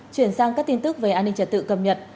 chuyển sang các tin tức về an ninh trật tự cập nhật